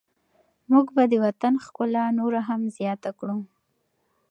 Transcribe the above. موږ به د وطن ښکلا نوره هم زیاته کړو.